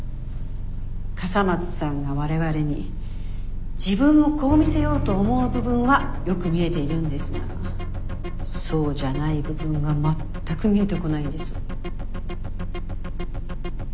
笠松さんが我々に「自分をこう見せよう」と思う部分はよく見えているんですがそうじゃない部分が全く見えてこないんです。